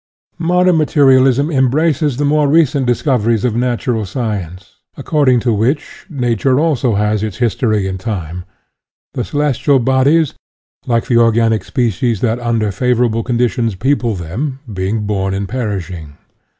Modern materialism embraces the more recent discoveries of natural science, according to which Nature also has its his tory in time, the celestial bodies, like the organic species that, under favorable con ditions, people them, being born and perish ing.